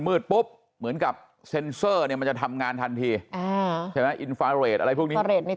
มืดปุ๊บเหมือนกับเซ็นเซอร์มันจะทำงานทันทีอะไรพวกนี้ใน